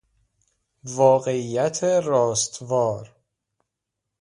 واقعیت راستوار